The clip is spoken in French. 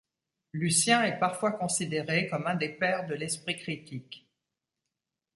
Lucien est parfois considéré comme un des pères de l'esprit critique.